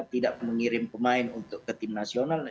tidak mengirim pemain untuk ke tim nasional